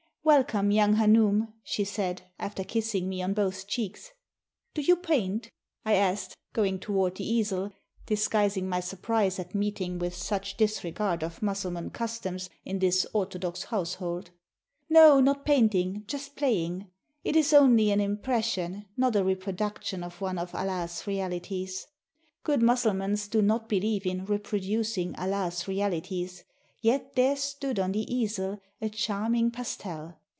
"Welcome, young hanoum," she said, after kissing me on both cheeks. "Do you paint?" I asked, going toward the easel, dis guising my surprise at meeting with such disregard of Mussulman customs in this orthodox household. "No, not painting, just playing. It is only an impres sion, not a reproduction of one of Allah's realities." Good Mussulmans do not believe in "reproducing Al lah's realities"; yet there stood on the easel a 'charming pastel.